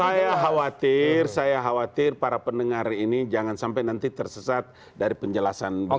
saya khawatir saya khawatir para pendengar ini jangan sampai nanti tersesat dari penjelasan beliau